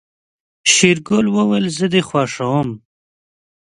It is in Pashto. شېرګل وويل زه دې خوښوم.